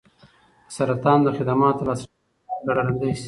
د سرطان خدماتو ته لاسرسی باید ګړندی شي.